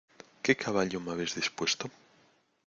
¿ qué caballo me habéis dispuesto?